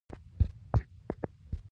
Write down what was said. آیا ایران نه غواړي چابهار پراخ کړي؟